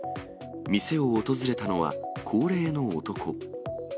店を訪れたのは、高齢の男。